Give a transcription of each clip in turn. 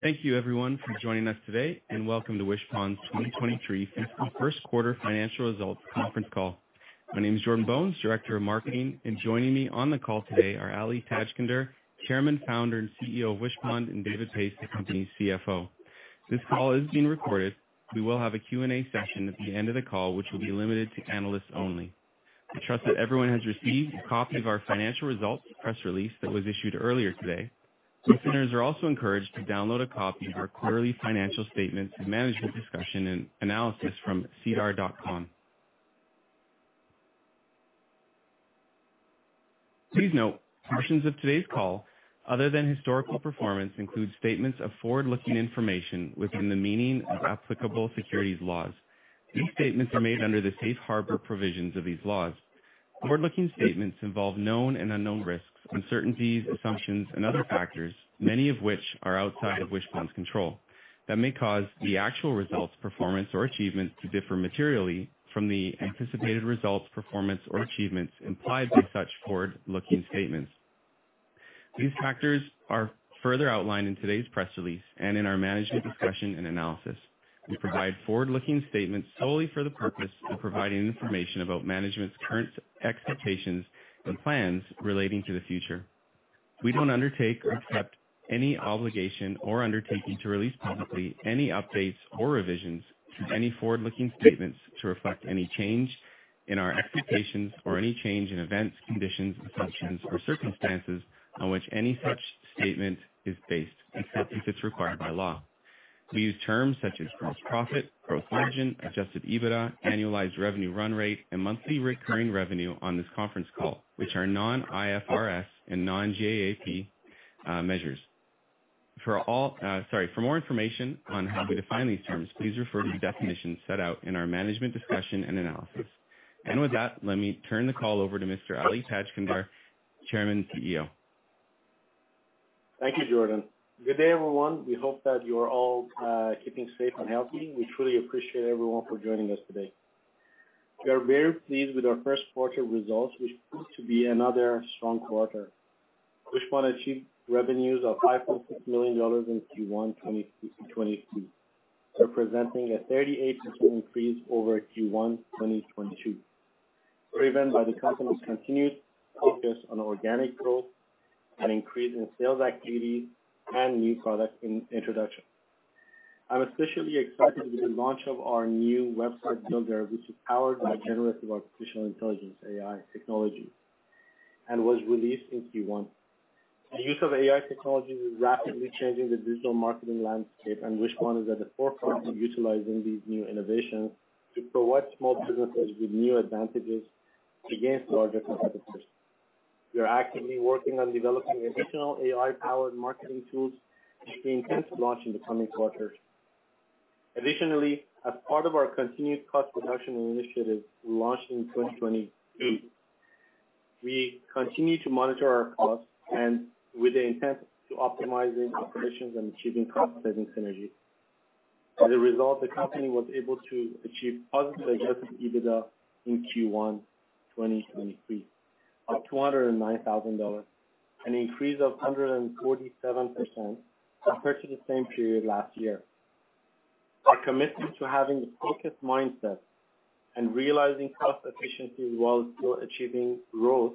Thank you everyone for joining us today, and welcome to Wishpond's 2023 First Quarter Financial Results Conference Call. My name is Jordan Bones, Director of Marketing, and joining me on the call today are Ali Tajskandar, Chairman, Founder, and CEO of Wishpond, and David Pais, the company's CFO. This call is being recorded. We will have a Q&A session at the end of the call, which will be limited to analysts only. We trust that everyone has received a copy of our financial results press release that was issued earlier today. Listeners are also encouraged to download a copy of our quarterly financial statements and management discussion and analysis from sedarplus.ca. Please note, portions of today's call, other than historical performance, include statements of forward-looking information within the meaning of applicable securities laws. These statements are made under the safe harbor provisions of these laws. Forward-looking statements involve known and unknown risks, uncertainties, assumptions, and other factors, many of which are outside of Wishpond's control, that may cause the actual results, performance, or achievements to differ materially from the anticipated results, performance or achievements implied by such forward-looking statements. These factors are further outlined in today's press release and in our management discussion and analysis. We provide forward-looking statements solely for the purpose of providing information about management's current expectations and plans relating to the future. We don't undertake or accept any obligation or undertaking to release publicly any updates or revisions to any forward-looking statements to reflect any change in our expectations or any change in events, conditions, assumptions, or circumstances on which any such statement is based, except if it's required by law. We use terms such as gross profit, gross margin, Adjusted EBITDA, annualized revenue run rate, and monthly recurring revenue on this conference call, which are non-IFRS and non-GAAP measures. For more information on how we define these terms, please refer to the definitions set out in our management discussion and analysis. With that, let me turn the call over to Mr. Ali Tajskandar, Chairman and CEO. Thank you, Jordan. Good day, everyone. We hope that you are all keeping safe and healthy. We truly appreciate everyone for joining us today. We are very pleased with our first quarter results, which proved to be another strong quarter. Wishpond achieved revenues of CAD 5.6 million in Q1 2022, representing a 38% increase over Q1 2022, driven by the company's continued focus on organic growth and increase in sales activity and new product in introduction. I'm especially excited with the launch of our new website builder, which is powered by generative artificial intelligence, AI technology, and was released in Q1. The use of AI technology is rapidly changing the digital marketing landscape, and Wishpond is at the forefront of utilizing these new innovations to provide small businesses with new advantages against larger competitors. We are actively working on developing additional AI-powered marketing tools, which we intend to launch in the coming quarters. As part of our continued cost reduction initiative we launched in 2023, we continue to monitor our costs and with the intent to optimizing operations and achieving cost-saving synergy. As a result, the company was able to achieve positive Adjusted EBITDA in Q1 2023 of 209,000 dollars, an increase of 147% compared to the same period last year. Our commitment to having a focused mindset and realizing cost efficiency while still achieving growth,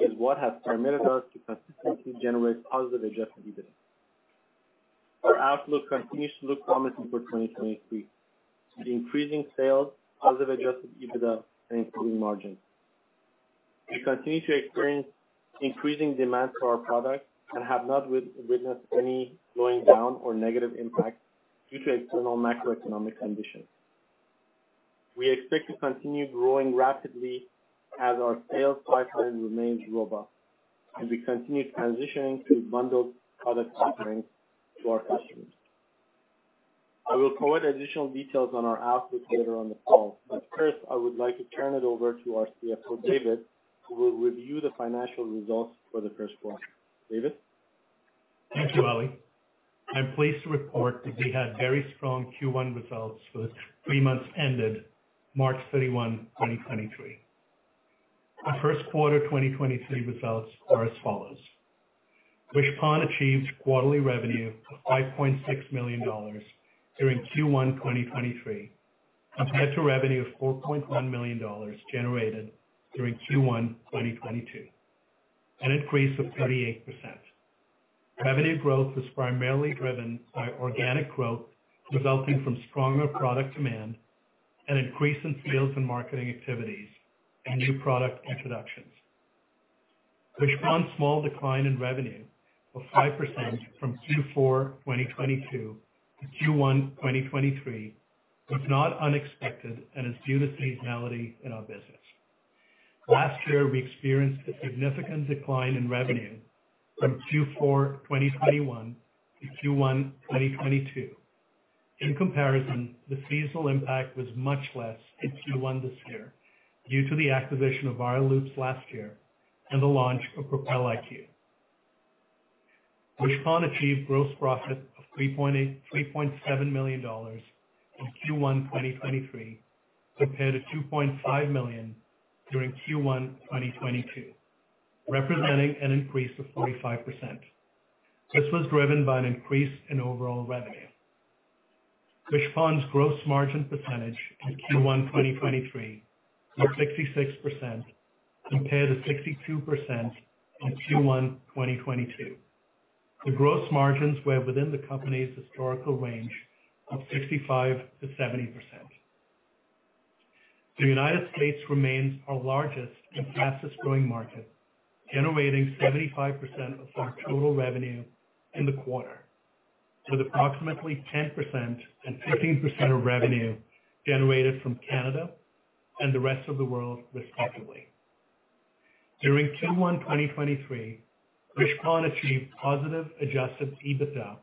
is what has permitted us to consistently generate positive Adjusted EBITDA. Our outlook continues to look promising for 2023. The increasing sales, positive Adjusted EBITDA, and improving margins. We continue to experience increasing demand for our products and have not witnessed any slowing down or negative impact due to external macroeconomic conditions. We expect to continue growing rapidly as our sales pipeline remains robust and we continue transitioning to bundled product offerings to our customers. I will provide additional details on our outlook later on the call. First, I would like to turn it over to our CFO, David, who will review the financial results for the first quarter. David? Thank you, Ali. I'm pleased to report that we had very strong Q1 results for the three months ended March 31, 2023. Our first quarter 2023 results are as follows: Wishpond achieved quarterly revenue of 5.6 million dollars during Q1, 2023, compared to revenue of 4.1 million dollars generated during Q1, 2022, an increase of 38%. Revenue growth was primarily driven by organic growth, resulting from stronger product demand and increase in sales and marketing activities and new product introductions. Wishpond's small decline in revenue of 5% from Q4, 2022 to Q1, 2023, was not unexpected and is due to seasonality in our business. Last year, we experienced a significant decline in revenue from Q4, 2021 to Q1, 2022. In comparison, the seasonal impact was much less in Q1 this year, due to the acquisition of Viral Loops last year and the launch of Propel IQ. Wishpond achieved gross profit of 3.7 million dollars in Q1 2023, compared to 2.5 million during Q1 2022, representing an increase of 45%. This was driven by an increase in overall revenue. Wishpond's gross margin percentage in Q1 2023 was 66%, compared to 62% in Q1 2022. The gross margins were within the company's historical range of 65%-70%. The United States remains our largest and fastest growing market, generating 75% of our total revenue in the quarter, with approximately 10% and 13% of revenue generated from Canada and the rest of the world, respectively. During Q1, 2023, Wishpond achieved positive Adjusted EBITDA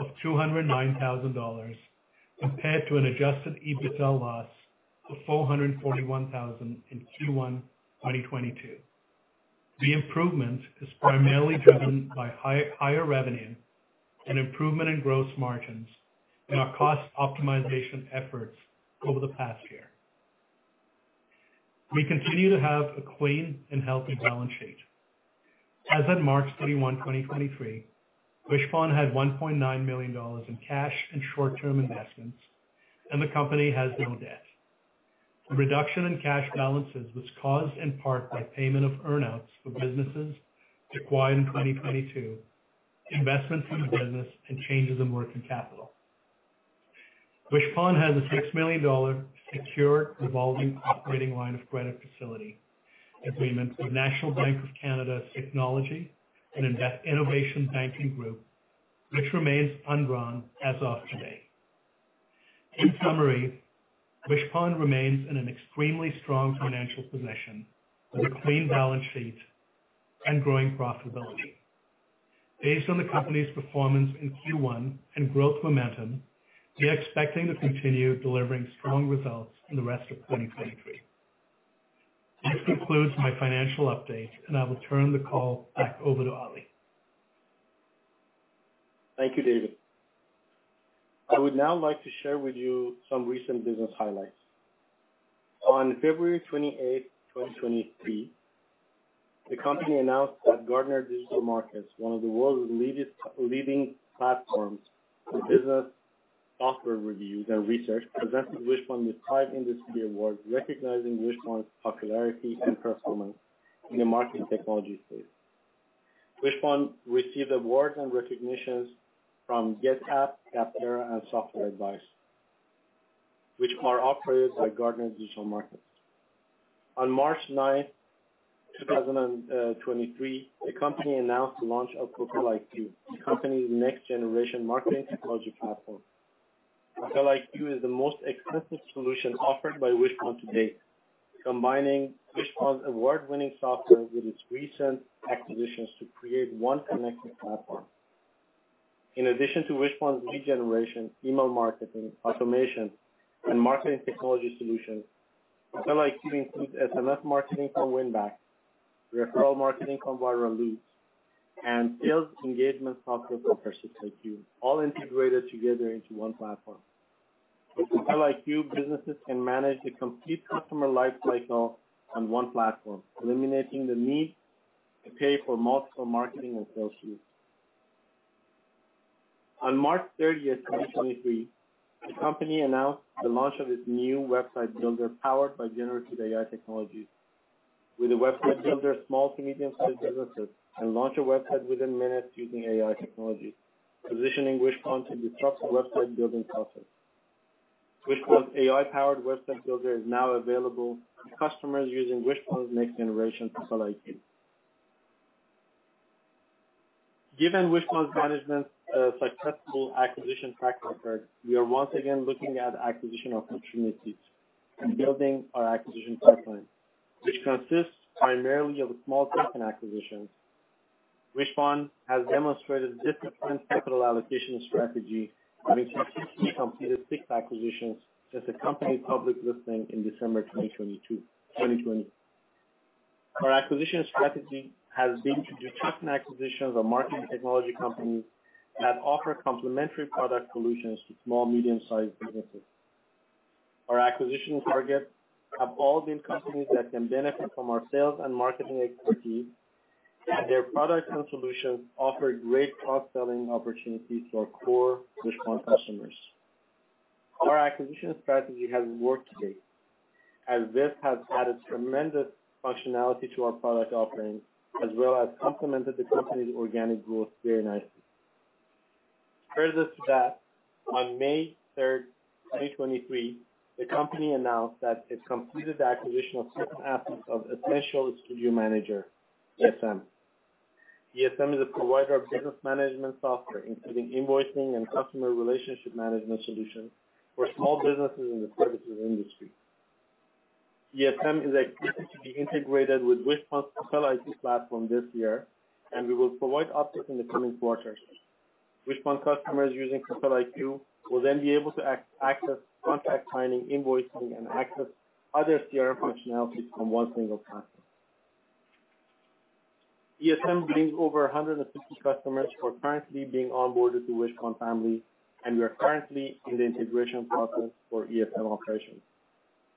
of 209,000 dollars, compared to an Adjusted EBITDA loss of 441,000 in Q1, 2022. The improvement is primarily driven by higher revenue, an improvement in gross margins, and our cost optimization efforts over the past year. We continue to have a clean and healthy balance sheet. As at March 31, 2023, Wishpond had 1.9 million dollars in cash and short-term investments, and the company has no debt. The reduction in cash balances was caused in part by payment of earn-outs for businesses acquired in 2022, investments in the business, and changes in working capital. Wishpond has a 6 million dollar secured revolving operating line of credit facility agreement with National Bank of Canada's Technology and Innovation Banking Group, which remains undrawn as of today. In summary, Wishpond remains in an extremely strong financial position, with a clean balance sheet and growing profitability. Based on the company's performance in Q1 and growth momentum, we are expecting to continue delivering strong results in the rest of 2023. This concludes my financial update, and I will turn the call back over to Ali. Thank you, David. I would now like to share with you some recent business highlights. On February 28th, 2023, the company announced that Gartner Digital Markets, one of the world's leading platforms for business software reviews and research, presented Wishpond with 5 industry awards, recognizing Wishpond's popularity and performance in the marketing technology space. Wishpond received awards and recognitions from GetApp, Capterra, and Software Advice, which are operated by Gartner Digital Markets. On March 9th, 2023, the company announced the launch of Propel IQ, the company's next-generation marketing technology platform. Propel IQ is the most expensive solution offered by Wishpond to date, combining Wishpond's award-winning software with its recent acquisitions to create one connected platform. In addition to Wishpond's lead generation, email marketing, automation, and marketing technology solutions, Propel IQ includes SMS marketing from Winback, referral marketing from Viral Loops, and sales engagement software from PersistIQ, all integrated together into one platform. With Propel IQ, businesses can manage the complete customer life cycle on one platform, eliminating the need to pay for multiple marketing and sales tools. On March 30th, 2023, the company announced the launch of its new website builder, powered by generative AI technologies. With the website builder, small to medium-sized businesses can launch a website within minutes using AI technology, positioning Wishpond in the top website building platforms. Wishpond's AI-powered website builder is now available to customers using Wishpond's next generation, Propel IQ. Given Wishpond's management successful acquisition track record, we are once again looking at acquisition opportunities and building our acquisition pipeline, which consists primarily of small token acquisitions. Wishpond has demonstrated a disciplined capital allocation strategy, having successfully completed six acquisitions since the company's public listing in December 2020. Our acquisition strategy has been to do token acquisitions of marketing technology companies that offer complementary product solutions to small, medium-sized businesses. Our acquisition targets have all been companies that can benefit from our sales and marketing expertise, and their products and solutions offer great cross-selling opportunities to our core Wishpond customers. Our acquisition strategy has worked to date, as this has added tremendous functionality to our product offerings, as well as complemented the company's organic growth very nicely. Further to that, on May 3rd, 2023, the company announced that it completed the acquisition of certain assets of Essential Studio Manager, ESM. ESM is a provider of business management software, including invoicing and customer relationship management solutions for small businesses in the services industry. ESM is expected to be integrated with Wishpond's Propel IQ platform this year, and we will provide updates in the coming quarters. Wishpond customers using Propel IQ will be able to access contract signing, invoicing, and access other CRM functionalities from one single platform. ESM brings over 150 customers who are currently being onboarded to Wishpond family. We are currently in the integration process for ESM operations.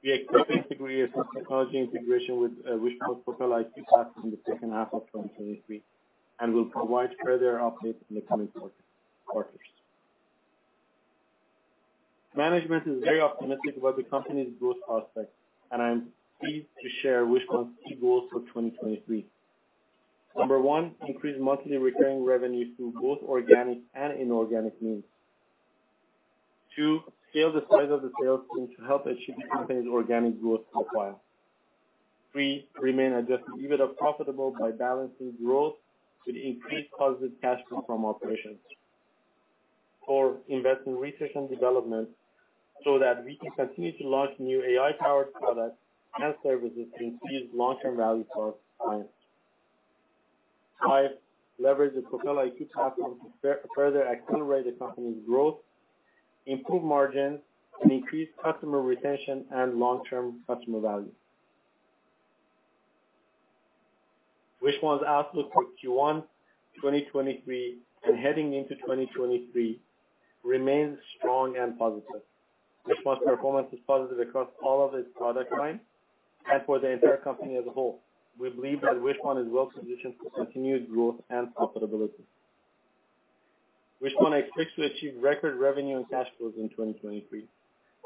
We expect the integration of technology integration with Wishpond Propel IQ to happen in the second half of 2023. We'll provide further updates in the coming quarters. Management is very optimistic about the company's growth prospects. I'm pleased to share Wishpond's key goals for 2023. Number 1, increase monthly recurring revenues through both organic and inorganic means. Two, scale the size of the sales team to help achieve the company's organic growth profile. Three, remain Adjusted EBITDA profitable by balancing growth with increased positive cash flow from operations. Four, invest in research and development so that we can continue to launch new AI-powered products and services to increase long-term value for our clients. Five, leverage the Propel IQ platform to further accelerate the company's growth, improve margins, and increase customer retention and long-term customer value. Wishpond's outlook for Q1 2023 and heading into 2023 remains strong and positive. Wishpond's performance is positive across all of its product lines and for the entire company as a whole. We believe that Wishpond is well positioned for continued growth and profitability. Wishpond is quick to achieve record revenue and cash flows in 2023.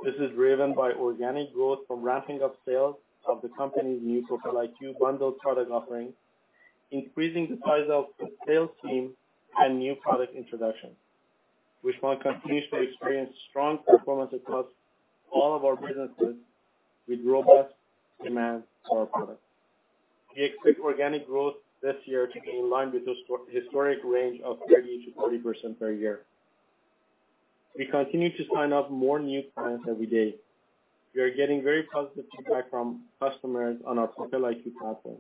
This is driven by organic growth from ramping up sales of the company's new Propel IQ bundled product offerings, increasing the size of the sales team, and new product introductions. Wishpond continues to experience strong performance across all of our businesses with robust demand for our products. We expect organic growth this year to be in line with historic range of 30%-40% per year. We continue to sign up more new clients every day. We are getting very positive feedback from customers on our Propel IQ platform.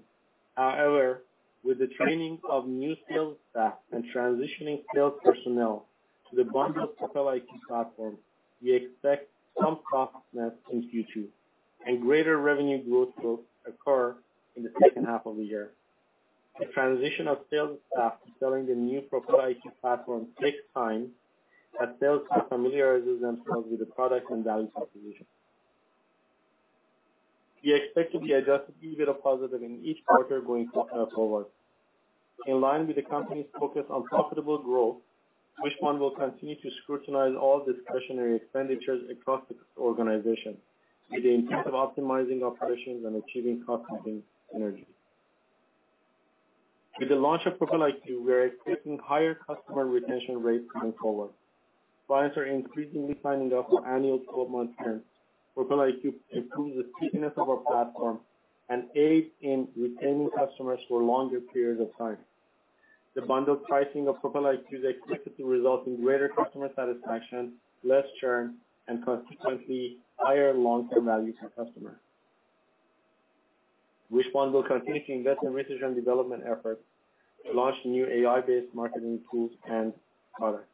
However, with the training of new sales staff and transitioning sales personnel to the bundled Propel IQ platform, we expect some roughness in Q2, and greater revenue growth will occur in the second half of the year. The transition of sales staff to selling the new Propel IQ platform takes time as sales familiarizes themselves with the product and value proposition. We expect to be Adjusted EBITDA positive in each quarter going forward. In line with the company's focus on profitable growth, Wishpond will continue to scrutinize all discretionary expenditures across the organization with the intent of optimizing operations and achieving cost-saving energy. With the launch of Propel IQ, we are expecting higher customer retention rates going forward. Clients are increasingly signing up for annual 12-month terms. Propel IQ improves the stickiness of our platform and aids in retaining customers for longer periods of time. The bundled pricing of Propel IQ is expected to result in greater customer satisfaction, less churn, and consequently, higher long-term value to customers. Wishpond will continue to invest in research and development efforts to launch new AI-based marketing tools and products.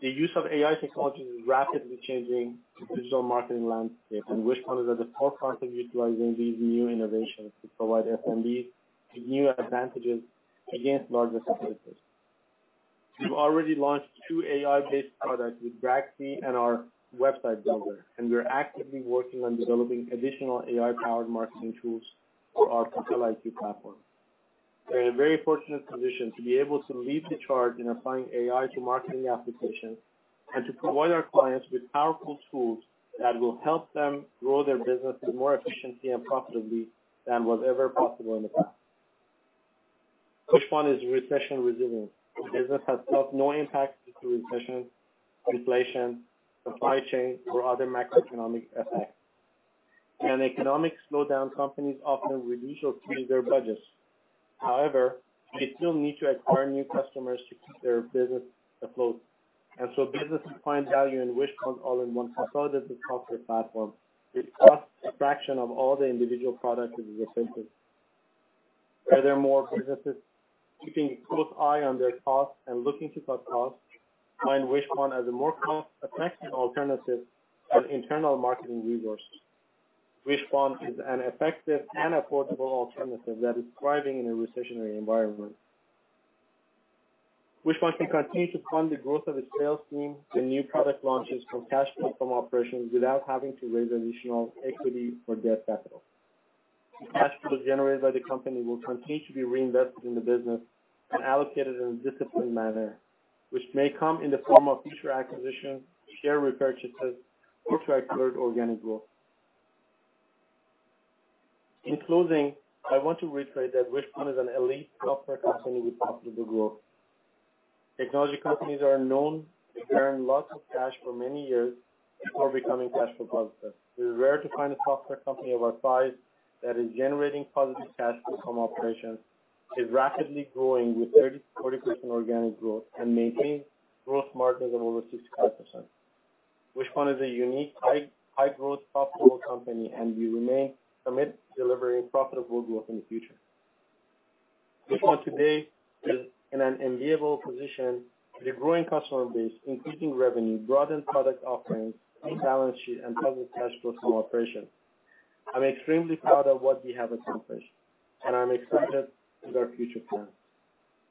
The use of AI technology is rapidly changing the digital marketing landscape, Wishpond is at the forefront of utilizing these new innovations to provide SMBs with new advantages against larger competitors. We've already launched 2 AI-based products with Braxy and our website builder, and we're actively working on developing additional AI-powered marketing tools for our Propel IQ platform. We're in a very fortunate position to be able to lead the charge in applying AI to marketing applications, and to provide our clients with powerful tools that will help them grow their business more efficiently and profitably than was ever possible in the past. Wishpond is recession-resilient. Business has felt no impact due to recession, inflation, supply chain, or other macroeconomic effects. In an economic slowdown, companies often reduce or freeze their budgets. However, they still need to acquire new customers to keep their business afloat, businesses find value in Wishpond's all-in-one Propel IQ software platform, which costs a fraction of all the individual products it replaces. Businesses keeping a close eye on their costs and looking to cut costs, find Wishpond as a more cost-effective alternative than internal marketing resources. Wishpond is an effective and affordable alternative that is thriving in a recessionary environment. Wishpond can continue to fund the growth of its sales team and new product launches from cash flow from operations, without having to raise additional equity or debt capital. The cash flows generated by the company will continue to be reinvested in the business and allocated in a disciplined manner, which may come in the form of future acquisitions, share repurchases, or through acquired organic growth. In closing, I want to reiterate that Wishpond is an elite software company with profitable growth. Technology companies are known to burn lots of cash for many years before becoming cash flow positive. It is rare to find a software company of our size that is generating positive cash flow from operations, is rapidly growing with 30%, 40% organic growth, and maintains gross margins of over 65%. Wishpond is a unique, high-growth, profitable company, and we remain committed to delivering profitable growth in the future. Wishpond today is in an enviable position with a growing customer base, increasing revenue, broadened product offerings, a balance sheet, and positive cash flow from operations. I'm extremely proud of what we have accomplished, and I'm excited with our future plans.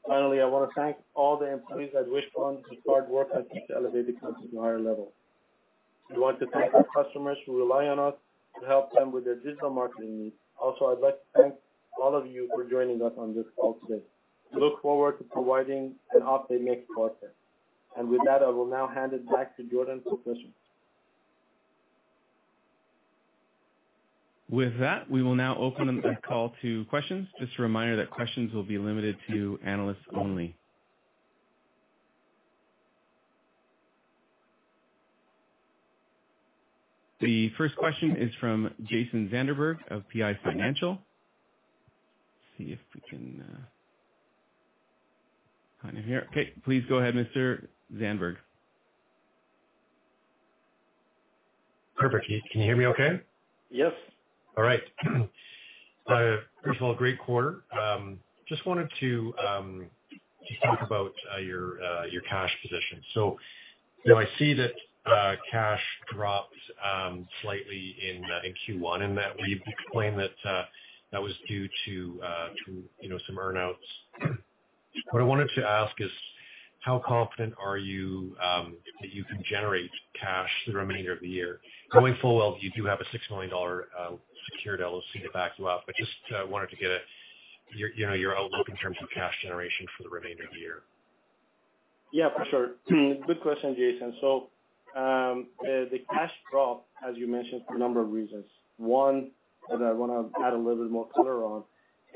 Finally, I want to thank all the employees at Wishpond whose hard work has helped to elevate the company to a higher level. We want to thank our customers who rely on us to help them with their digital marketing needs. Also, I'd like to thank all of you for joining us on this call today. We look forward to providing an update next quarter. With that, I will now hand it back to Jordan for questions. With that, we will now open the call to questions. Just a reminder that questions will be limited to analysts only. The first question is from Jason Zandberg of PI Financial. See if we can find him here. Okay, please go ahead, Mr. Zandberg. Perfect. Can you hear me okay? Yes. All right. First of all, great quarter. Just wanted to just talk about your cash position. You know, I see that cash dropped slightly in Q1, and that we've explained that that was due to, you know, some earnouts. What I wanted to ask is: How confident are you that you can generate cash the remainder of the year? Knowing full well you do have a 6 million dollar secured LOC to back you up, just wanted to get a, your, you know, your outlook in terms of cash generation for the remainder of the year. Yeah, for sure. Good question, Jason. The cash drop, as you mentioned, for a number of reasons. One, that I wanna add a little bit more color on,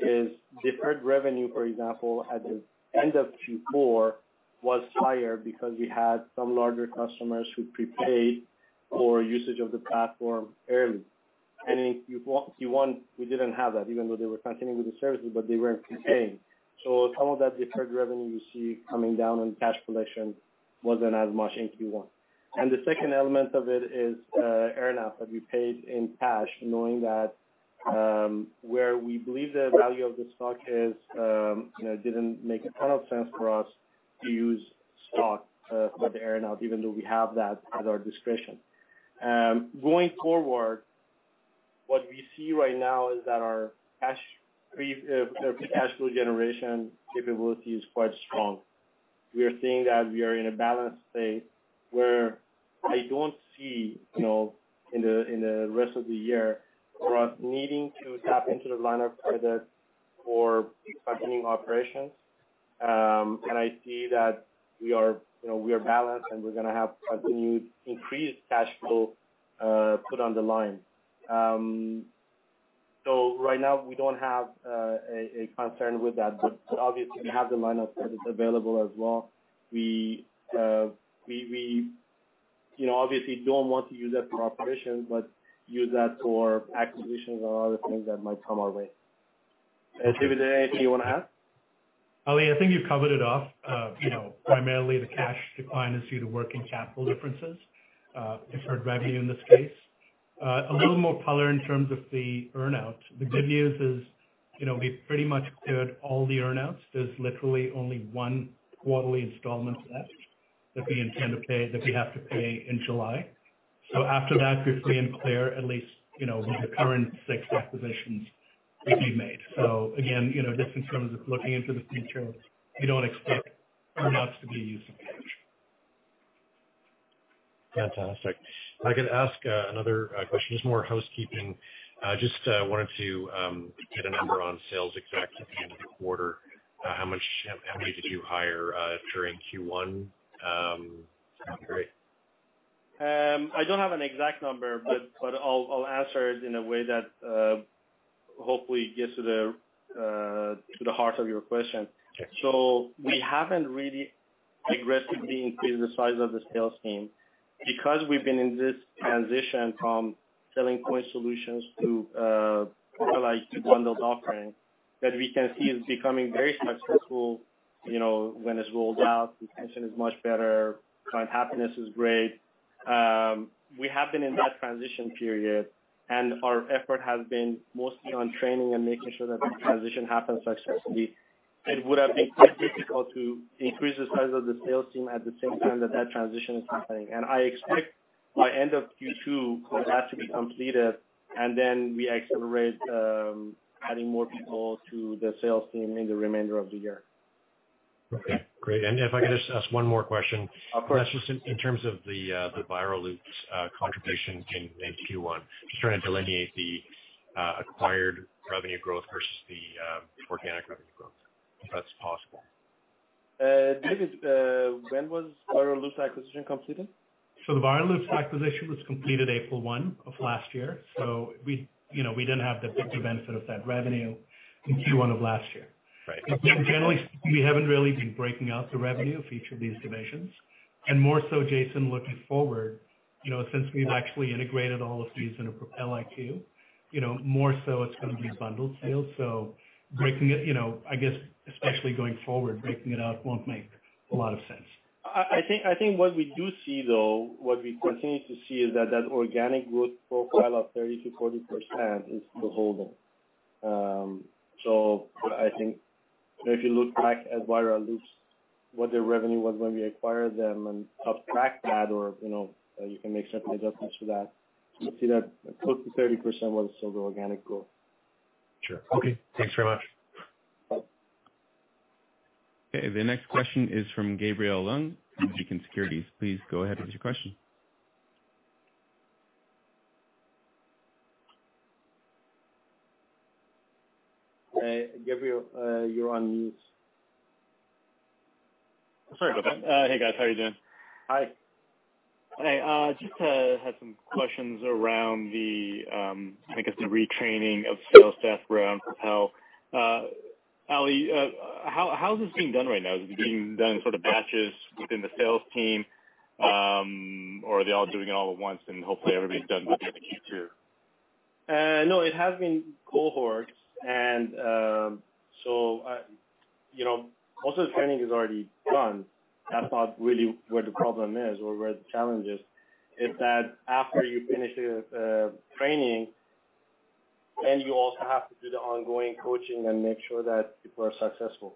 is deferred revenue, for example, at the end of Q4, was higher because we had some larger customers who prepaid for usage of the platform early. In Q1, we didn't have that, even though they were continuing with the services, but they weren't paying. Some of that deferred revenue you see coming down on cash collection wasn't as much in Q1. The second element of it is earnout that we paid in cash, knowing that, where we believe the value of the stock is, you know, didn't make a ton of sense for us to use stock for the earnout, even though we have that at our discretion. Going forward, what we see right now is that our cash flow generation capability is quite strong. We are seeing that we are in a balanced state where I don't see, you know, in the rest of the year, for us needing to tap into the line of credit for continuing operations. I see that we are, you know, we are balanced, and we're gonna have continued increased cash flow put on the line. Right now we don't have a concern with that, but obviously we have the line of credit available as well. We, you know, obviously don't want to use that for operations, but use that for acquisitions or other things that might come our way. David, is there anything you wanna add? Ali, I think you covered it off. You know, primarily the cash decline is due to working capital differences, deferred revenue in this case. A little more color in terms of the earnout. The good news is, you know, we pretty much cleared all the earnouts. There's literally only one quarterly installment left that we intend to pay, that we have to pay in July. After that, we're free and clear, at least, you know, with the current six acquisitions that we've made. Again, you know, just in terms of looking into the future, we don't expect earnouts to be used again. Fantastic. If I could ask another question, just more housekeeping. Just wanted to get a number on sales execs at the end of the quarter. How many did you hire, during Q1, quarter? I don't have an exact number, but I'll answer it in a way that hopefully gets to the heart of your question. Sure. We haven't really aggressively increased the size of the sales team because we've been in this transition from selling point solutions to more like bundled offering that we can see is becoming very successful, you know, when it's rolled out, the retention is much better, client happiness is great. We have been in that transition period, and our effort has been mostly on training and making sure that the transition happens successfully. It would have been quite difficult to increase the size of the sales team at the same time that that transition is happening. I expect by end of Q2 for that to be completed, and then we accelerate adding more people to the sales team in the remainder of the year. Okay, great. If I could just ask one more question? Of course. That's just in terms of the Viral Loops contribution in Q1. Just trying to delineate the acquired revenue growth versus the organic revenue growth, if that's possible? David, when was Viral Loops acquisition completed? The Viral Loops acquisition was completed April 1 of last year, so we, you know, we didn't have the benefit of that revenue in Q1 of last year. Right. Generally speaking, we haven't really been breaking out the revenue for each of these divisions. More so, Jason, looking forward, you know, since we've actually integrated all of these into Propel IQ, you know, more so it's going to be a bundled sale. Breaking it, you know, I guess, especially going forward, breaking it out won't make a lot of sense. I think what we do see, though, what we continue to see is that that organic growth profile of 30%-40% is still holding. If you look back at Viral Loops, what their revenue was when we acquired them and subtract that, or, you know, you can make certain adjustments to that. You'll see that close to 30% was still the organic growth. Sure. Okay, thanks very much. Okay. Okay. The next question is from Gabriel Leung, Beacon Securities. Please go ahead with your question. Gabriel, you're on mute. Sorry about that. Hey, guys. How are you doing? Hi. Hey, just had some questions around the, I guess, the retraining of sales staff around Propel. Ali, how is this being done right now? Is it being done sort of batches within the sales team, or are they all doing it all at once, and hopefully everybody's done with it in Q2? No, it has been cohorts, and, you know, most of the training is already done. That's not really where the problem is or where the challenge is. It's that after you finish the training, then you also have to do the ongoing coaching and make sure that people are successful.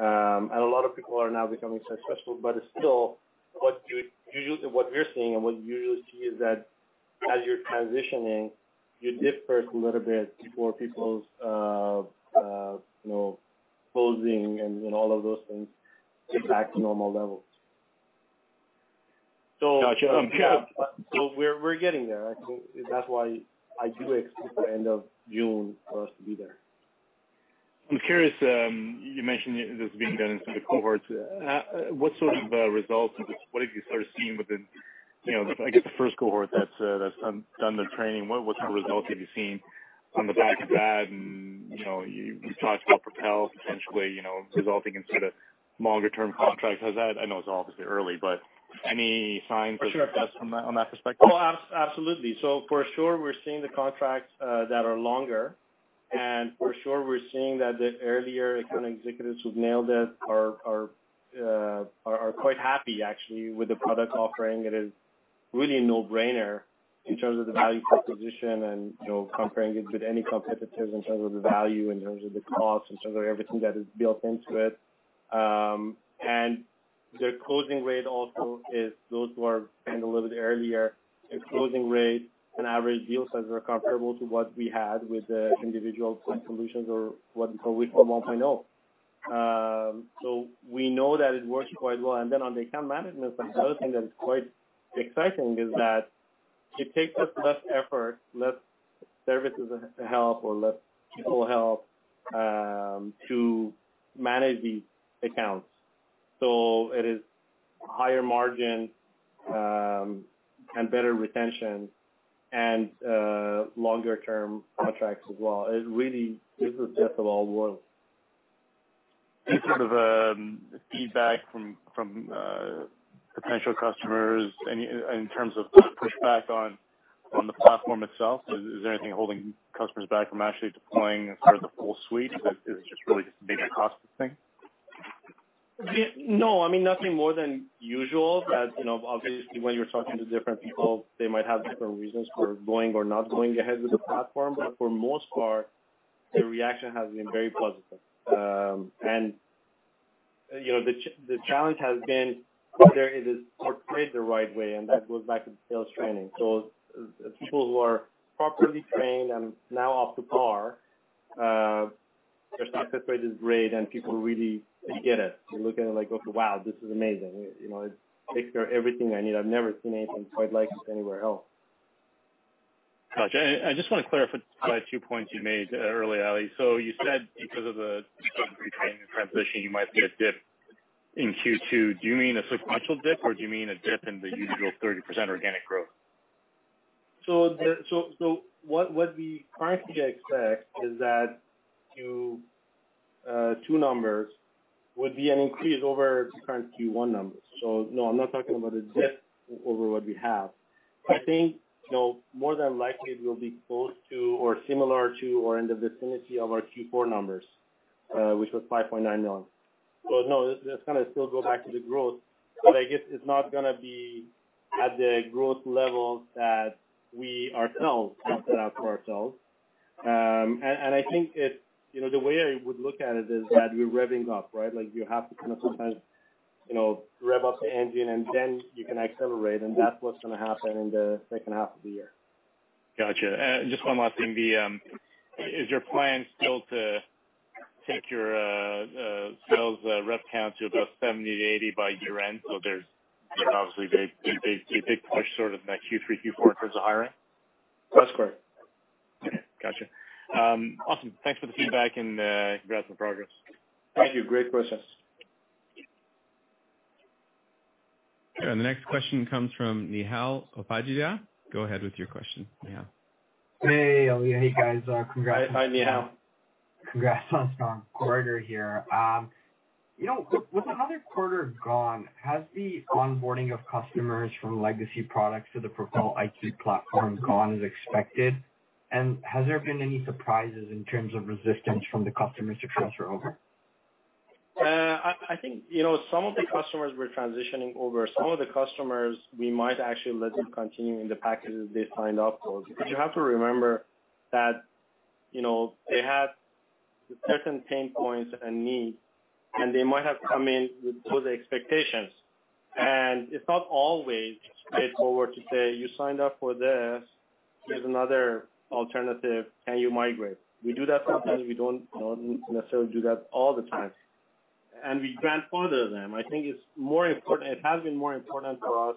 A lot of people are now becoming successful, but still, what we're seeing and what you usually see is that as you're transitioning, you differ a little bit before people's, you know, closing and all of those things get back to normal levels. Got you. We're getting there. I think that's why I do expect the end of June for us to be there. I'm curious, you mentioned this being done in sort of cohorts. What sort of results, what have you started seeing within, you know, I guess, the first cohort that's done the training? What sort of results have you seen on the back of that? You know, you talked about Propel essentially, you know, resulting in sort of longer term contracts. Has that... I know it's obviously early, but any signs... For sure. -on that, on that perspective? Absolutely. For sure, we're seeing the contracts that are longer, and for sure, we're seeing that the earlier account executives who've nailed it are quite happy actually, with the product offering. It is really a no-brainer in terms of the value proposition and, you know, comparing it with any competitors in terms of the value, in terms of the cost, in terms of everything that is built into it. The closing rate also is those who are in a little bit earlier. The closing rate and average deal sizes are comparable to what we had with the individual point solutions or what, for we call 1.0. We know that it works quite well. On the account management, the other thing that is quite exciting is that it takes us less effort, less services to help or less people help to manage the accounts. It is higher margin, and better retention and longer term contracts as well. It really, this is best of all worlds. Any sort of feedback from potential customers, any, in terms of pushback on the platform itself? Is there anything holding customers back from actually deploying sort of the full suite, or is it just really maybe a cost thing? Yeah. No, I mean, nothing more than usual that, you know, obviously, when you're talking to different people, they might have different reasons for going or not going ahead with the platform. For most part, the reaction has been very positive. You know, the challenge has been whether it is portrayed the right way, and that goes back to the sales training. People who are properly trained and now up to par, their satisfaction is great, and people really get it. They look at it like, "Okay, wow, this is amazing." You know, it takes care of everything I need. I've never seen anything quite like this anywhere else. Got you. I just want to clarify two points you made earlier, Ali. You said because of the retraining transition, you might see a dip in Q2. Do you mean a sequential dip, or do you mean a dip in the usual 30% organic growth? What we currently expect is that Q2 numbers would be an increase over current Q1 numbers. No, I'm not talking about a dip over what we have. I think, you know, more than likely we'll be close to or similar to or in the vicinity of our Q4 numbers, which was 5.9 million. No, that's gonna still go back to the growth, but I guess it's not gonna be at the growth levels that we ourselves have set out for ourselves. And I think it, you know, the way I would look at it is that we're revving up, right? Like, you have to kind of sometimes, you know, rev up the engine and then you can accelerate, and that's what's gonna happen in the second half of the year. Got you. just one last thing. Is your plan still to take your sales rep count to about 70 to 80 by year-end? there's obviously a big push sort of in that Q3, Q4 in terms of hiring. That's correct. Okay. Got you. awesome. Thanks for the feedback and, congrats on progress. Thank you. Great questions. The next question comes from Nihal Popat. Go ahead with your question, Nihal. Hey, Ali. Hey, guys. Hi, Nihal. Congrats on strong quarter here. You know, with another quarter gone, has the onboarding of customers from legacy products to the Propel IQ platform gone as expected? Has there been any surprises in terms of resistance from the customers to transfer over?... I think, you know, some of the customers we're transitioning over, some of the customers, we might actually let them continue in the packages they signed up for. You have to remember that, you know, they had certain pain points and needs, and they might have come in with those expectations. It's not always straightforward to say, "You signed up for this. Here's another alternative, can you migrate?" We do that sometimes, we don't necessarily do that all the time. We grandfather them. It has been more important for us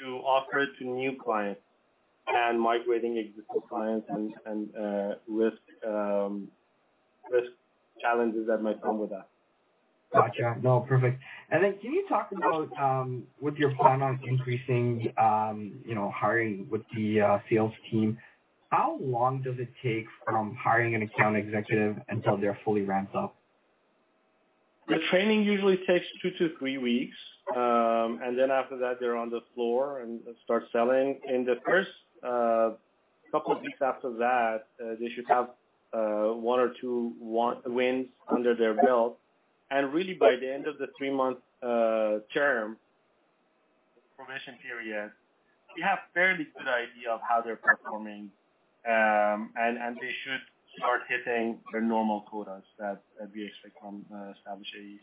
to offer it to new clients than migrating existing clients and risk challenges that might come with that. Gotcha. No, perfect. Can you talk about, what's your plan on increasing, you know, hiring with the sales team? How long does it take from hiring an Account Executive until they're fully ramped up? The training usually takes 2-3 weeks. Then after that, they're on the floor and start selling. In the first 1-2 weeks after that, they should have 1-2 wins under their belt. Really, by the end of the 3-month term, probation period, we have a fairly good idea of how they're performing. They should start hitting their normal quotas that we expect from established AEs.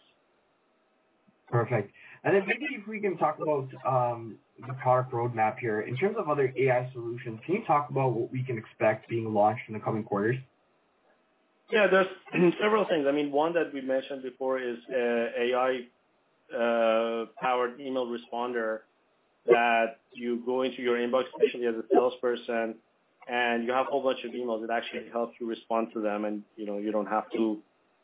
Perfect. Maybe if we can talk about the product roadmap here. In terms of other AI solutions, can you talk about what we can expect being launched in the coming quarters? Yeah, there's several things. I mean, one that we mentioned before is AI-powered email responder, that you go into your inbox, basically as a salesperson, and you have a whole bunch of emails. It actually helps you respond to them, and, you know, you don't have to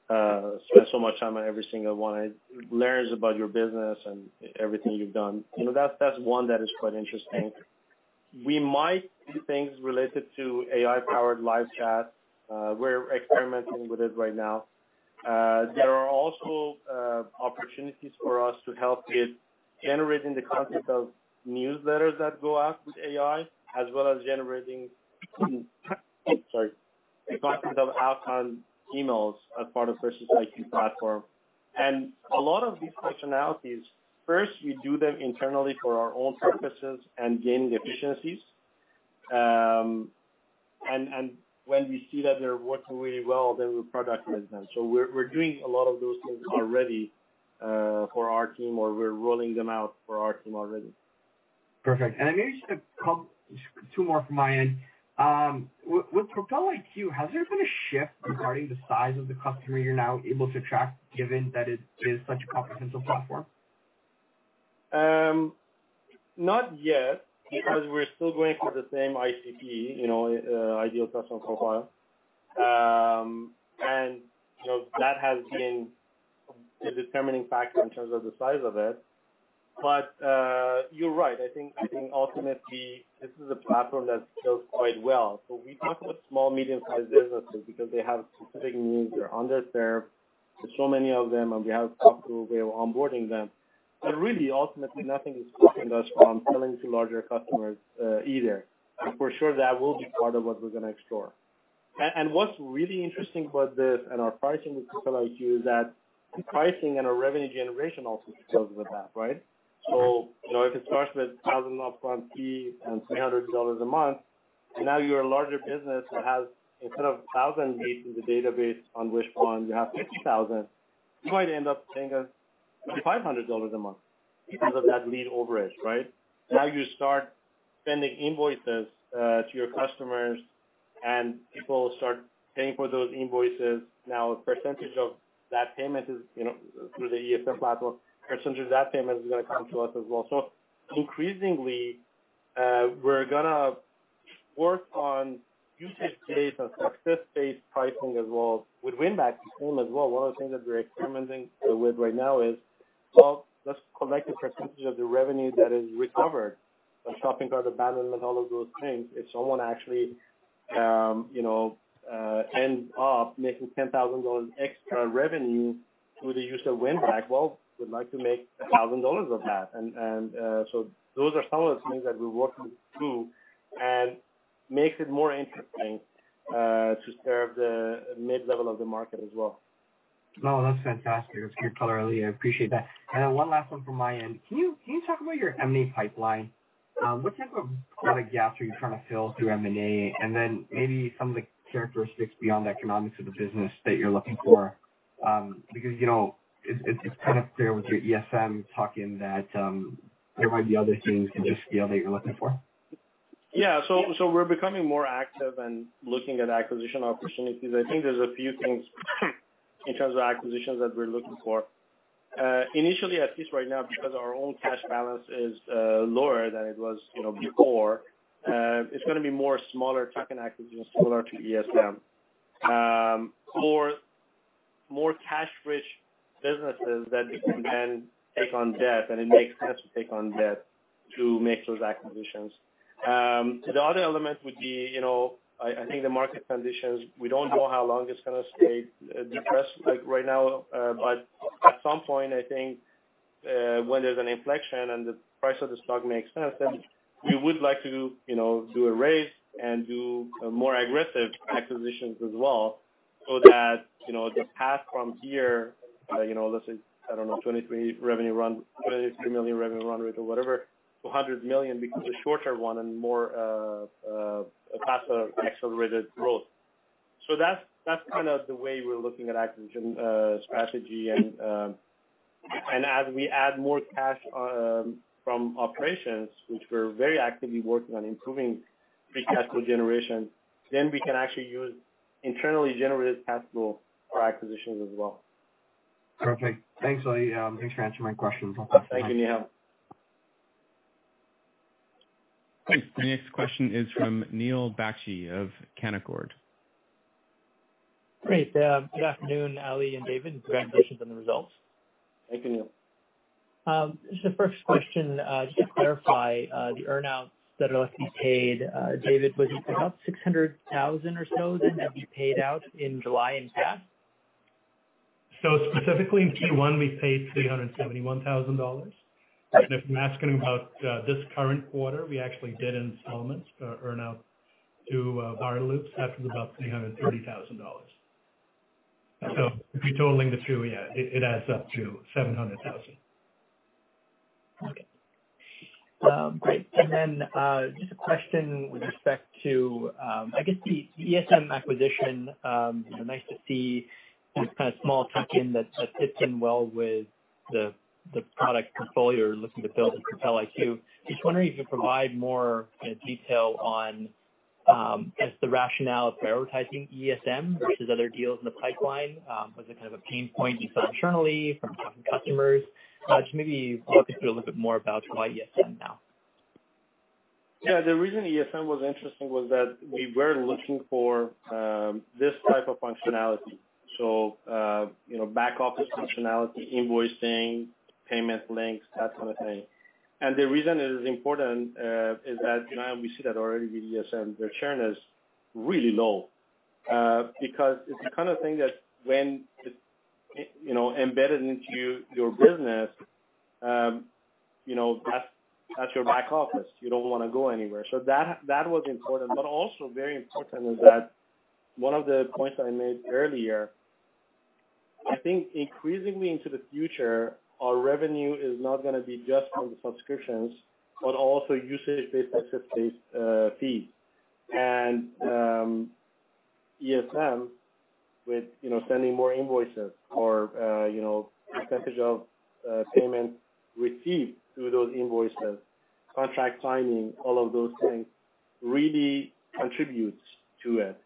spend so much time on every single one. It learns about your business and everything you've done. You know, that's one that is quite interesting. We might do things related to AI-powered live chat. We're experimenting with it right now. There are also opportunities for us to help with generating the content of newsletters that go out with AI, as well as generating, sorry, the content of outbound emails as part of Propel IQ platform. A lot of these functionalities, first, we do them internally for our own purposes and gain efficiencies. When we see that they're working really well, we productize them. We're doing a lot of those things already for our team, or we're rolling them out for our team already. Perfect. Maybe just a couple... Two more from my end. With Propel IQ, has there been a shift regarding the size of the customer you're now able to attract, given that it is such a comprehensive platform? Not yet, because we're still going through the same ICP, you know, ideal personal profile. You know, that has been a determining factor in terms of the size of it. You're right. I think ultimately, this is a platform that sells quite well. We talk about small, medium-sized businesses because they have specific needs. They're underserved. There's so many of them, and we have a couple ways of onboarding them. Really, ultimately, nothing is stopping us from selling to larger customers either. For sure, that will be part of what we're gonna explore. What's really interesting about this and our pricing with Propel IQ is that pricing and our revenue generation also scales with that, right? You know, if it starts with a 1,000 up-front fee and 300 dollars a month, and now you're a larger business that has instead of 1,000 leads in the database on Wishpond you have 50,000, you might end up paying us 5,500 dollars a month because of that lead overage, right? You start sending invoices to your customers, and people start paying for those invoices. A percentage of that payment is, you know, through the ESM platform, percentage of that payment is gonna come to us as well. Increasingly, we're gonna work on usage-based and success-based pricing as well with Winback soon as well. One of the things that we're experimenting with right now is, well, let's collect a percentage of the revenue that is recovered, the shopping cart, abandonment, all of those things. If someone actually, you know, ends up making 10,000 dollars extra revenue through the use of Winback, well, we'd like to make 1,000 dollars of that. Those are some of the things that we're working through, and makes it more interesting to serve the mid-level of the market as well. No, that's fantastic. That's clear color earlier. I appreciate that. One last one from my end. Can you, can you talk about your M&A pipeline? What type of product gaps are you trying to fill through M&A? Maybe some of the characteristics beyond the economics of the business that you're looking for. Because, you know, it's kind of clear with your ESM talking that, there might be other things in your scale that you're looking for. Yeah. we're becoming more active in looking at acquisition opportunities. I think there's a few things in terms of acquisitions that we're looking for. Initially, at least right now, because our own cash balance is lower than it was, you know, before, it's gonna be more smaller tuck-in acquisitions similar to ESM. More cash-rich businesses that we can then take on debt, and it makes sense to take on debt to make those acquisitions. The other element would be, you know, I think the market conditions, we don't know how long it's gonna stay depressed, like, right now, but at some point, I think. when there's an inflection and the price of the stock may expand, then we would like to, you know, do a raise and do a more aggressive acquisitions as well, so that, you know, the path from here, you know, let's say, I don't know, 23 million revenue run rate or whatever, to 100 million becomes a shorter one and more, a path of accelerated growth. So that's kind of the way we're looking at acquisition strategy. As we add more cash from operations, which we're very actively working on improving free cash flow generation, then we can actually use internally generated cash flow for acquisitions as well. Perfect. Thanks, Ali. Thanks for answering my questions. Thank you, Neil. Great. The next question is from Neil Bakshi of Canaccord. Great. good afternoon, Ali and David. Congratulations on the results. Thank you, Neil. The first question, just to clarify, the earn-outs that are left to be paid, David, was it about 600,000 or so that have been paid out in July and back? Specifically in Q1, we paid 371,000 dollars. If you're asking about this current quarter, we actually did installments, earn-out to Viral Loops that was about 330,000 dollars. If you're totaling the two, yeah, it adds up to 700,000. Okay. Great. Just a question with respect to, I guess the ESM acquisition. Nice to see this kind of small tuck-in that fits in well with the product portfolio you're looking to build with Propel IQ. Just wondering if you could provide more detail on, I guess, the rationale of prioritizing ESM versus other deals in the pipeline. Was it kind of a pain point you saw internally from talking to customers? Just maybe walk us through a little bit more about why ESM now. Yeah, the reason ESM was interesting was that we were looking for this type of functionality. You know, back office functionality, invoicing, payment links, that sort of thing. The reason it is important is that, you know, we see that already with ESM, their churn is really low. Because it's the kind of thing that when it's, you know, embedded into your business, you know, that's your back office, you don't want to go anywhere. That was important. Also very important is that one of the points I made earlier, I think increasingly into the future, our revenue is not gonna be just from the subscriptions, but also usage-based, access-based fees. ESM with, you know, sending more invoices or, you know, percentage of payments received through those invoices, contract signing, all of those things, really contributes to it.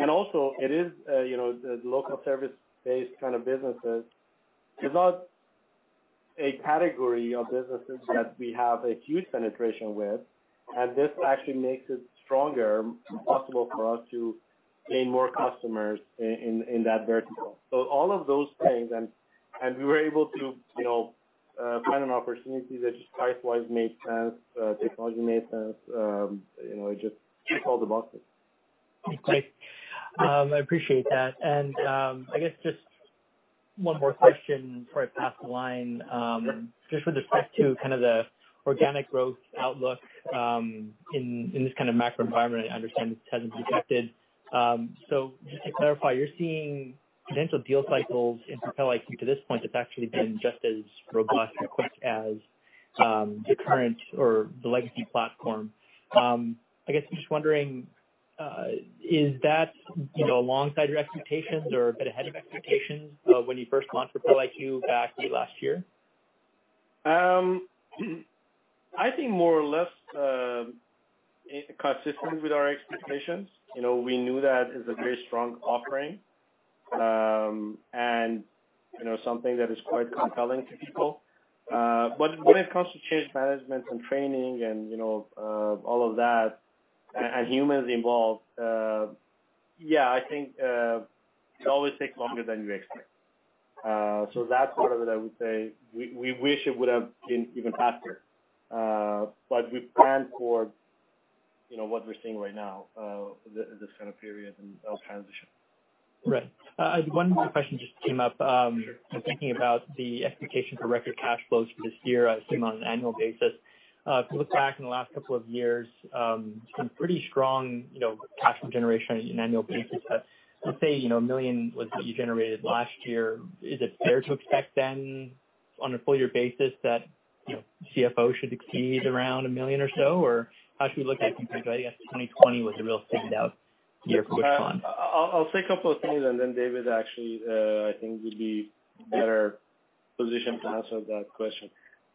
It is, you know, the local service-based kind of businesses, is not a category of businesses that we have a huge penetration with, and this actually makes it stronger and possible for us to gain more customers in, in that vertical. All of those things and we were able to, you know, find an opportunity that just price-wise made sense, technology made sense, you know, it just checked all the boxes. Great. I appreciate that. I guess just one more question before I pass the line. Just with respect to kind of the organic growth outlook, in this kind of macro environment, I understand this hasn't been affected. Just to clarify, you're seeing potential deal cycles in Propel IQ to this point, it's actually been just as robust and quick as the current or the legacy platform. I guess I'm just wondering, is that, you know, alongside your expectations or a bit ahead of expectations of when you first launched Propel IQ back last year? I think more or less consistent with our expectations. You know, we knew that it's a very strong offering, and, you know, something that is quite compelling to people. But when it comes to change management and training and, you know, all of that, and humans involved, it always takes longer than you expect. So that part of it, I would say, we wish it would have been even faster. But we planned for, you know, what we're seeing right now, this kind of period and transition. Right. One more question just came up. I'm thinking about the expectation for record cash flows for this year, I assume, on an annual basis. If you look back in the last couple of years, some pretty strong, you know, cash flow generation on an annual basis. Let's say, you know, 1 million was what you generated last year. Is it fair to expect, on a full year basis, that, you know, CFO should exceed around 1 million or so? How should we look at compared to, I guess, 2020 was a real sticked out year for you? I'll say a couple of things, and then David Pais actually, I think would be better positioned to answer that question.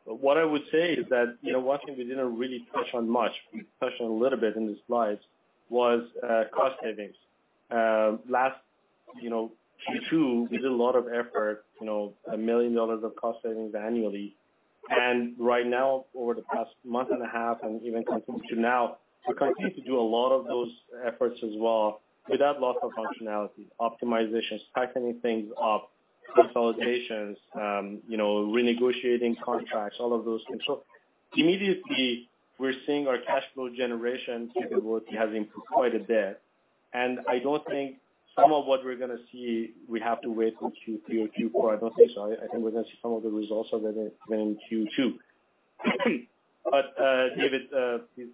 What I would say is that, you know, one thing we didn't really touch on much, we touched on a little bit in the slides, was cost savings. Last, you know, Q2, we did a lot of effort, you know, 1 million dollars of cost savings annually. Right now, over the past month and a half, and even coming to now, we continue to do a lot of those efforts as well, without loss of functionality, optimizations, tightening things up, consolidations, you know, renegotiating contracts, all of those things. Immediately, we're seeing our cash flow generation capability has improved quite a bit. I don't think some of what we're gonna see, we have to wait until Q3 or Q4. I don't think so. I think we're gonna see some of the results already than in Q2. David, please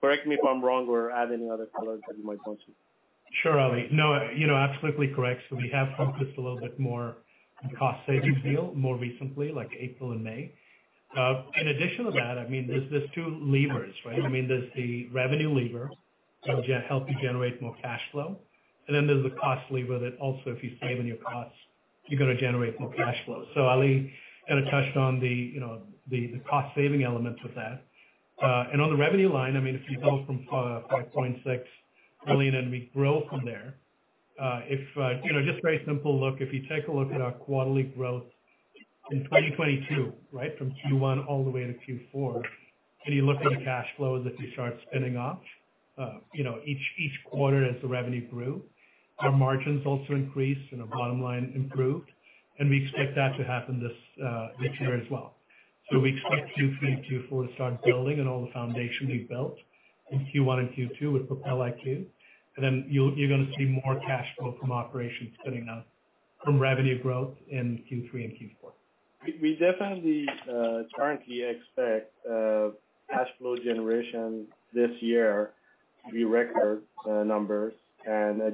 correct me if I'm wrong or add any other colors that you might want to. Sure, Ali. You know, absolutely correct. We have focused a little bit more on cost savings deal more recently, like April and May. In addition to that, I mean, there's two levers, right? I mean, there's the revenue lever, which help you generate more cash flow, and then there's the cost lever that also, if you save on your costs, you're gonna generate more cash flow. Ali kind of touched on the, you know, the cost-saving elements of that. On the revenue line, I mean, if you go from 5.6 million and we grow from there, if, you know, just very simple look, if you take a look at our quarterly growth in 2022, right? From Q1 all the way to Q4, you look at the cash flows that we start spinning off, you know, each quarter as the revenue grew, our margins also increased and our bottom line improved, and we expect that to happen this year as well. We expect Q3, Q4 to start building and all the foundation we built in Q1 and Q2 with Propel IQ. You're gonna see more cash flow from operations spinning out from revenue growth in Q3 and Q4. We definitely currently expect cash flow generation this year to be record numbers. I don't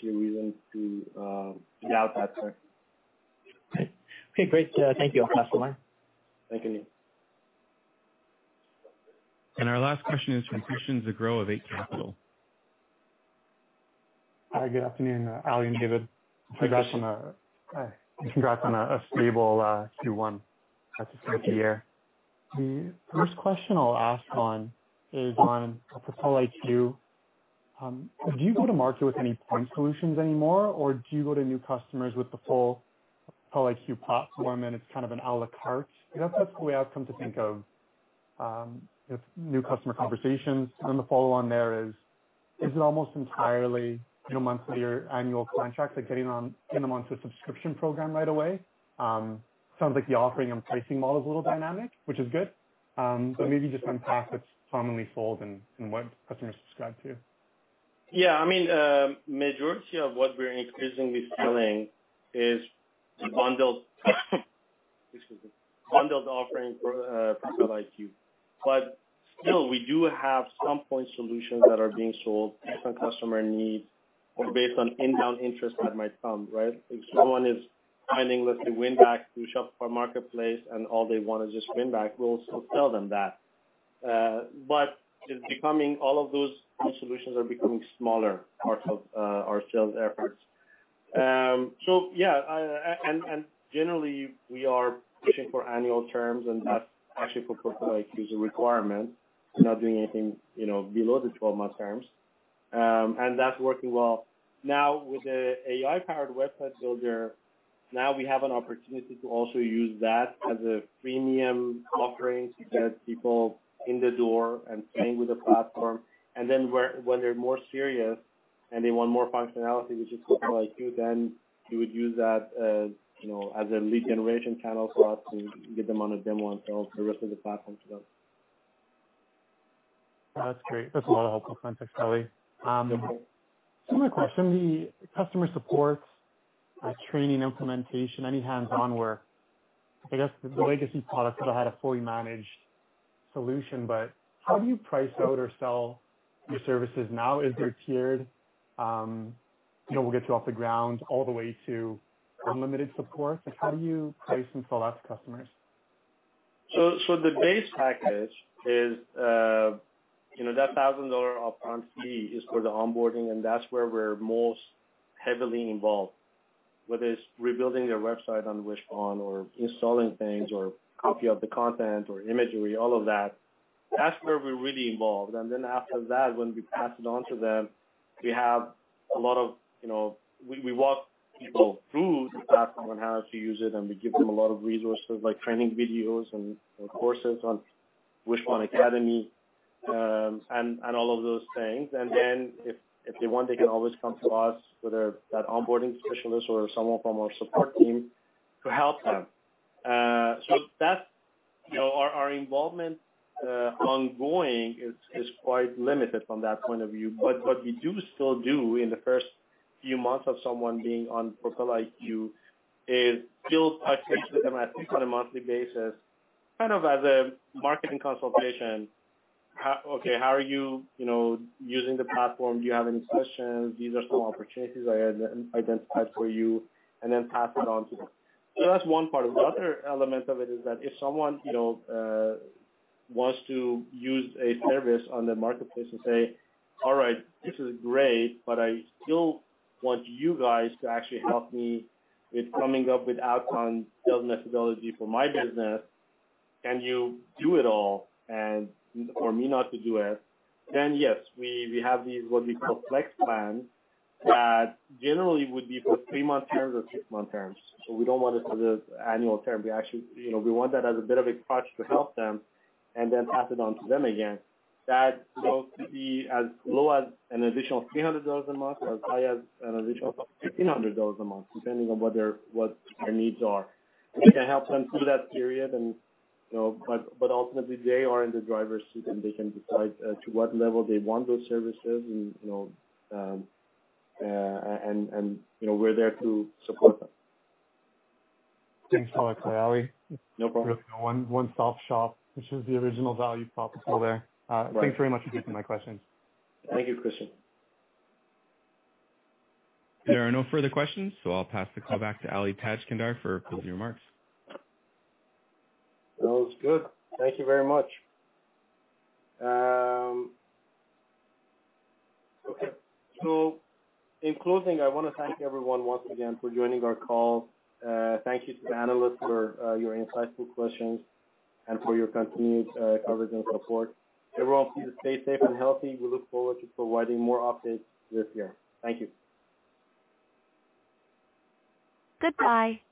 see a reason to doubt that part. Okay. Okay, great. Thank you. I'll pass the line. Thank you. Our last question is from Christian Sgro of Eight Capital. Hi, good afternoon, Ali and David. Congrats on a stable Q1 at the start of the year. The first question I'll ask on is on Propel IQ. Do you go to market with any point solutions anymore, or do you go to new customers with the full Propel IQ platform, and it's kind of an à la carte? That's the way I've come to think of, if new customer conversations. The follow on there is it almost entirely, you know, monthly or annual contracts, like getting on, in the monthly subscription program right away? Sounds like the offering and pricing model is a little dynamic, which is good. Maybe just unpack what's commonly sold and what customers subscribe to. I mean, majority of what we're increasingly selling is the bundled, excuse me, bundled offerings for Propel IQ. Still, we do have some point solutions that are being sold based on customer needs or based on inbound interest that might come, right? If someone is finding, let's say, Winback through Shopify marketplace, and all they want is just Winback, we'll still sell them that. All of those solutions are becoming smaller parts of our sales efforts. Generally, we are pushing for annual terms, and that's actually for Propel IQ's requirement. We're not doing anything, you know, below the 12-month terms. That's working well. With the AI-powered website builder, now we have an opportunity to also use that as a premium offering to get people in the door and playing with the platform. Then when they're more serious and they want more functionality, which is Propel IQ, then we would use that as, you know, as a lead generation channel for us to get them on a demo and sell the rest of the platform to them. That's great. That's a lot of helpful context, Ali. Similar question, the customer support, training, implementation, any hands-on work. I guess the legacy product could have had a fully managed solution, but how do you price out or sell your services now? Is there tiered, you know, we'll get you off the ground all the way to unlimited support? Like, how do you price and sell out to customers? The base package is, you know, that 1,000 dollar upfront fee is for the onboarding, and that's where we're most heavily involved. Whether it's rebuilding their website on Wishpond or installing things or copy of the content or imagery, all of that. That's where we're really involved. After that, when we pass it on to them, we have a lot of, you know, we walk people through the platform on how to use it, and we give them a lot of resources, like training videos and courses on Wishpond Academy, and all of those things. If they want, they can always come to us, whether that onboarding specialist or someone from our support team, to help them. That's, you know, our involvement, ongoing is quite limited from that point of view. What we do still do in the first few months of someone being on Propel IQ is build touch base with them, at least on a monthly basis, kind of as a marketing consultation. Okay, how are you know, using the platform? Do you have any questions? These are some opportunities I had identified for you, then pass it on to them. That's one part. The other element of it is that if someone, you know, wants to use a service on the marketplace and say, "All right, this is great, but I still want you guys to actually help me with coming up with outcome sales methodology for my business, can you do it all, and for me not to do it?" Yes, we have these, what we call flex plans, that generally would be for three-month terms or six-month terms. We don't want it as an annual term. We actually, you know, we want that as a bit of a push to help them and then pass it on to them again. That goes to be as low as an additional 300 dollars a month, or as high as an additional 1,500 dollars a month, depending on what their needs are. We can help them through that period and, you know. But ultimately, they are in the driver's seat, and they can decide to what level they want those services and, you know, and, you know, we're there to support them. Thanks for that, Ali. No problem. One, one-stop shop, which is the original value prop is still there. Right. Thanks very much for taking my questions. Thank you, Christian. There are no further questions, so I'll pass the call back to Ali Tajskandar for closing remarks. Sounds good. Thank you very much. Okay. In closing, I want to thank everyone once again for joining our call. Thank you to the analysts for your insightful questions and for your continued coverage and support. Everyone, please stay safe and healthy. We look forward to providing more updates this year. Thank you. Goodbye.